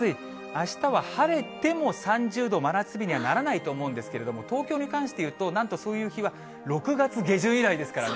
あしたは晴れても３０度真夏日にはならないと思うんですけれども、東京に関して言うと、なんとそういう日は６月下旬以来ですからね。